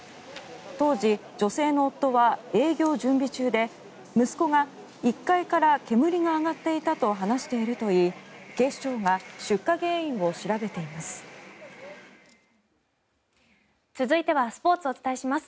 当時、女性の夫は営業準備中で息子が１階から煙が上がっていたと話しているといい警視庁が出火原因を調べています。